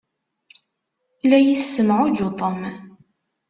La iyi-tessemɛuǧǧutem.